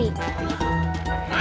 iya pak ustadz